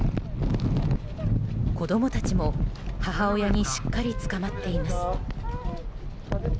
子供たちも、母親にしっかりつかまっています。